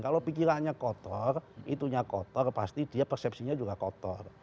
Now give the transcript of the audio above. kalau pikirannya kotor itunya kotor pasti dia persepsinya juga kotor